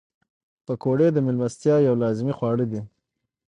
پکورې د میلمستیا یو لازمي خواړه دي